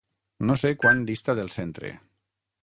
No sé quant dista del centre.